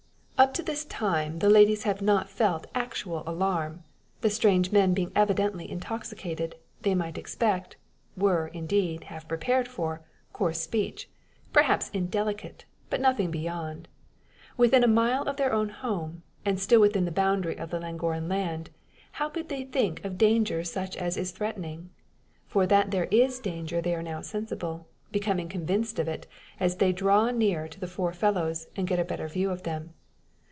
Up to this time the ladies have not felt actual alarm. The strange men being evidently intoxicated, they might expect were, indeed, half prepared for coarse speech; perhaps indelicate, but nothing beyond. Within a mile of their own home, and still within the boundary of the Llangorren land, how could they think of danger such as is threatening? For that there is danger they are now sensible becoming convinced of it, as they draw nearer to the four fellows, and get a better view of them.